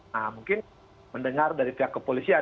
nah mungkin mendengar dari pihak kepolisian